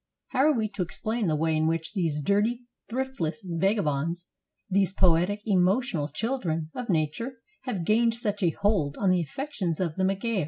How are we to explain the way in which these dirty, thriftless vagabonds, these poetic, emotional children of nature, have gained such a hold on the affections of the Magyar?